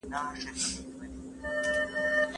ده د رښتينو امکاناتو په چوکاټ کې کار کاوه.